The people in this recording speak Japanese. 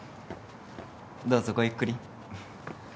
どうぞごゆっくり。